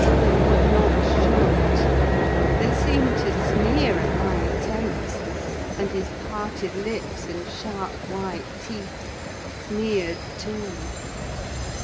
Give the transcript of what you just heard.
They would not shut: they seemed to sneer at my attempts; and his parted lips and sharp white teeth sneered too!